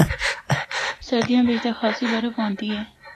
سردیاں بچ تے خاصی برف ہوندی اے۔